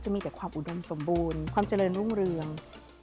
มีแต่ความอุดมสมบูรณ์ความเจริญรุ่งเรือง